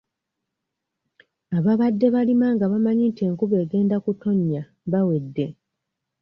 Ababadde balima nga bamanyi nti enkuba egenda kutonnya bawedde.